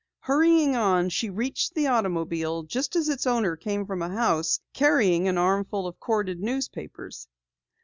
Hurrying on, she reached the automobile just as its owner came from a house carrying an armful of corded newspapers.